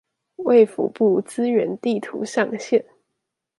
衛福部資源地圖上線